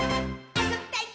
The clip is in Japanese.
あそびたい！」